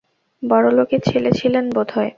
বড়লোকের ছেলে ছিলেন বোধ হয়।